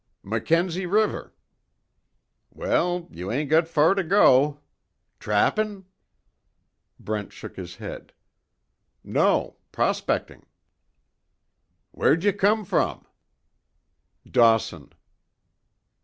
"Mackenzie River." "Well, you ain't got fer to go. Trappin'?" Brent shook his head: "No. Prospecting." "Where'd you come from?" "Dawson."